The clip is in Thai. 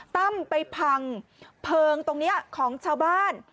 ตั้มไปพังเพลิงตรงนี้ของชาวบ้าน